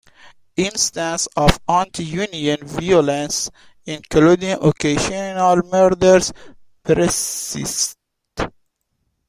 Instances of anti-union violence, including occasional murders, persist.